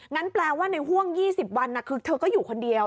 แปลว่าในห่วง๒๐วันคือเธอก็อยู่คนเดียว